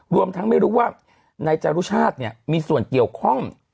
รวมทั้งไม่รู้ว่านายจารุชาติเนี่ยมีส่วนเกี่ยวข้อง